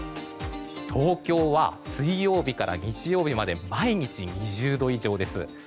東京は水曜日から日曜日まで毎日、２０度以上です。